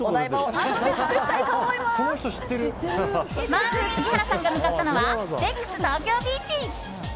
まず杉原さんが向かったのはデックス東京ビーチ。